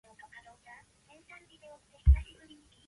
If the reactivity is positive - then the reactor is supercritical.